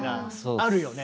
あるよね？